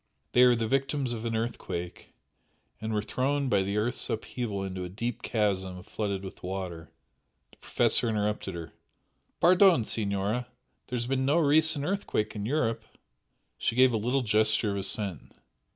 They are the victims of an earthquake, and were thrown by the earth's upheaval into a deep chasm flooded by water " The Professor interrupted her. "Pardon, Signora! There has been no recent earthquake in Europe." She gave a little gesture of assent.